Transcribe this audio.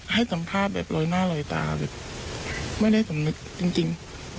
ให้สัมภาษณ์แบบลอยหน้าลอยตาแบบไม่ได้สำนึกจริง